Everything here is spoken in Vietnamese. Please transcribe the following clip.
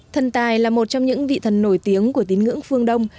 thần tài là một trong những vị thần nổi tiếng của tín ngưỡng phương đông